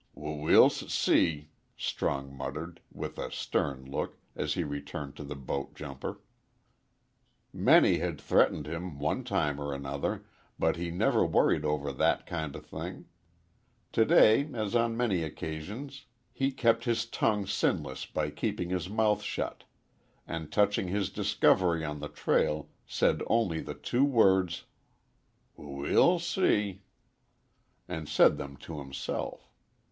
"W We'll s see," Strong muttered, with a stern look, as he returned to the boat jumper. Many had threatened him, one time or another, but he never worried over that kind of thing. To day, as on many occasions, he kept his tongue sinless by keeping his mouth shut, and, touching his discovery on the trail, said only the two words, "W we'll see," and said them to himself.